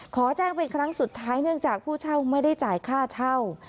ขอแจ้งเป็นครั้งสุดท้ายเนื่องจากผู้เช่าไม่ได้จ่ายค่าเช่า